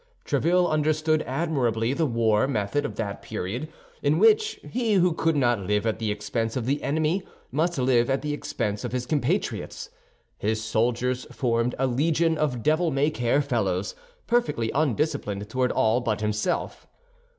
Tréville understood admirably the war method of that period, in which he who could not live at the expense of the enemy must live at the expense of his compatriots. His soldiers formed a legion of devil may care fellows, perfectly undisciplined toward all but himself.